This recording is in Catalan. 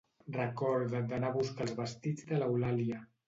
Recorda't d'anar a buscar els vestits de l'Eulàlia